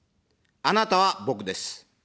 あなたは、僕です。